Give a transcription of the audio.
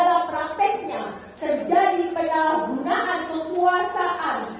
dalam prakteknya terjadi penyalahgunaan kekuasaan